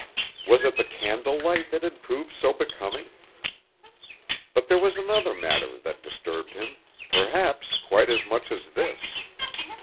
Was it the candle light that had proved so becoming? But there was another matter that disturbed him, perhaps, quite as much as this.